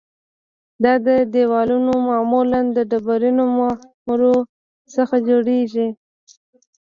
دا دیوالونه معمولاً د ډبرینو معمورو څخه جوړیږي